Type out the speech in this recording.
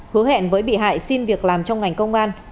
hứa hẹn với bị hại xin việc làm trong ngành công an